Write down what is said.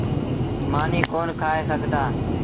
مآݩيٚ ڪون کآئي سگھتآ۔